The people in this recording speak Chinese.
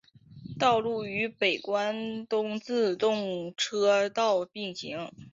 道路与北关东自动车道并行。